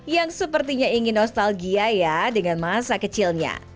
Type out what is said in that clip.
yang sepertinya ingin nostalgia ya dengan masa kecilnya